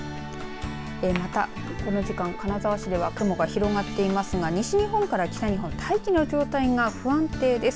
またこの時間金沢市では雲が広がっていますが西日本から北日本大気の状態が不安定です。